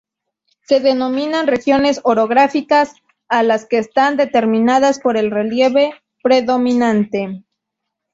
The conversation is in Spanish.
Se denominan regiones orográficas a las que están determinadas por el relieve predominante.